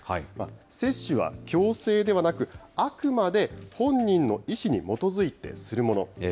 接種は強制ではなく、あくまで本人の意思に基づいてするもの。